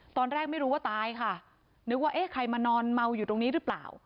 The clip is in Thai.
ตอนแรกไม่รู้ว่าตายค่ะนึกว่าเอ๊ะใครมานอนเมาอยู่ตรงนี้หรือเปล่า